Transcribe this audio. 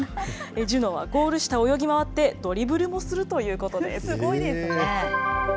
ジュノはゴール下を泳ぎ回って、ドリブルもするということです。